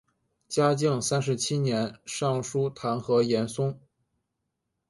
嘉靖三十七年上疏弹劾严嵩。